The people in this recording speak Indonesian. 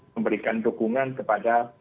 memberikan dukungan kepada